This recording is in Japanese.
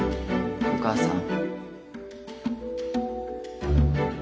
お母さん。